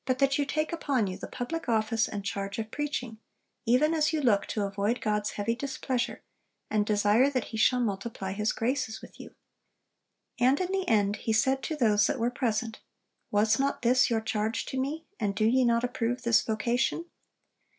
that you take upon you the public office and charge of preaching, even as you look to avoid God's heavy displeasure, and desire that He shall multiply His graces with you." And in the end, he said to those that were present, "Was not this your charge to me? And do ye not approve this vocation?"